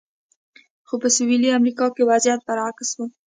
خو په سویلي امریکا کې وضعیت برعکس و.